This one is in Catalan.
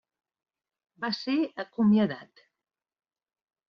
Va ser acomiadat.